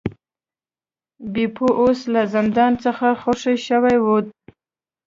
بیپو اوس له زندان څخه خوشې شوی دی.